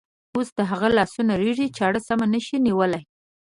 اوس د هغه لاسونه رېږدي، چاړه سمه نشي نیولی.